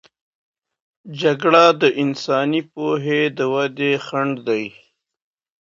جګړه د انساني پوهې د ودې خنډ دی.